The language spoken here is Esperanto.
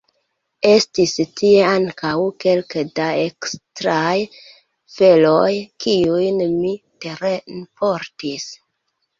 Estis tie ankaŭ kelke da ekstraj veloj, kiujn mi terenportis.